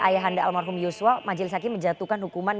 ayah anda almarhum yosua majelis hakim menjatuhkan hukuman